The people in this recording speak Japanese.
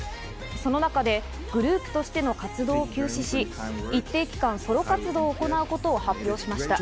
その中でグループとしての活動を休止し、一定期間、ソロ活動を行うことを発表しました。